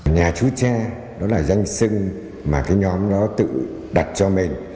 nhà chúa cha đó là danh xưng mà cái nhóm đó tự đặt cho mình